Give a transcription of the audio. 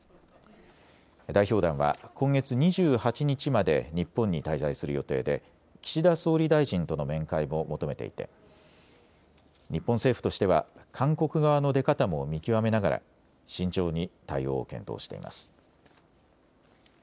代表団は今月２８日まで日本に滞在する予定で岸田総理大臣との面会も求めていて日本政府としては韓国側の出方も見極めながら慎重に対応を検討しています。